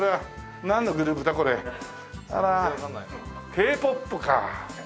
Ｋ−ＰＯＰか。